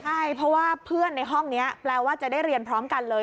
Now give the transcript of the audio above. ใช่เพราะว่าเพื่อนในห้องนี้แปลว่าจะได้เรียนพร้อมกันเลย